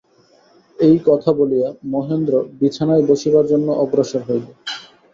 এই কথা বলিয়া মহেন্দ্র বিছানায় বসিবার জন্য অগ্রসর হইল।